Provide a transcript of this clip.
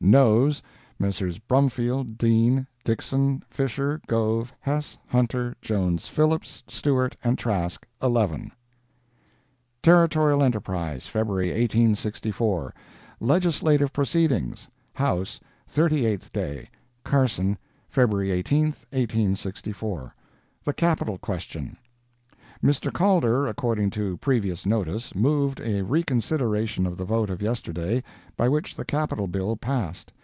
NOES—Messrs. Brumfield, Dean, Dixson, Fisher, Gove, Hess, Hunter, Jones, Phillips, Stewart and Trask—11. Territorial Enterprise, February 1864 LEGISLATIVE PROCEEDINGS HOUSE—THIRTY EIGHTH DAY CARSON, February 18, 1864 THE CAPITAL QUESTION Mr. Calder, according to previous notice, moved a reconsideration of the vote of yesterday, by which the Capital bill passed.